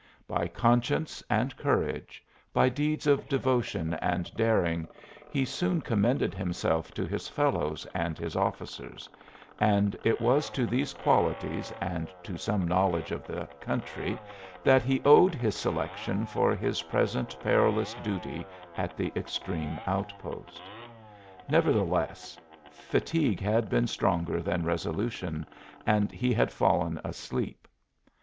By conscience and courage, by deeds of devotion and daring, he soon commended himself to his fellows and his officers; and it was to these qualities and to some knowledge of the country that he owed his selection for his present perilous duty at the extreme outpost. Nevertheless, fatigue had been stronger than resolution and he had fallen asleep.